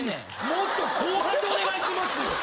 もっと後半でお願いしますよ。